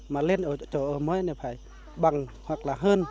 mà lên ở chỗ mới này phải bằng hoặc là hơn